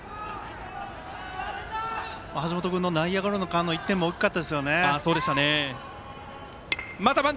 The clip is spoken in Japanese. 橋本君の内野ゴロの間の１点も大きかったです。